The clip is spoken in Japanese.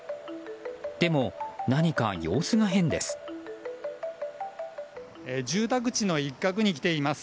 でも、何か様子が変です。